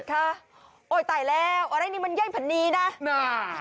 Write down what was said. ค่ะโอ๊ยตายแล้วอะไรนี่มันใหญ่พันนี้นะ